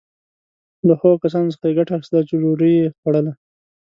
له هغو کسانو څخه یې ګټه اخیستله چې ډوډی یې خوړله.